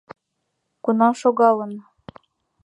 Кунам шогалын?